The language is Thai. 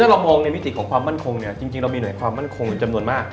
ถ้าเรามองในวิธีของความบ้านคงจริงเรามีหน่วยความบ้านคงจำนวนมาก